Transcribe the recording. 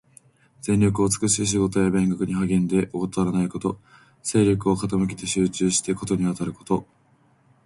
全力を尽くし仕事や勉学に励んで、怠らないこと。精力を傾けて集中して事にあたること。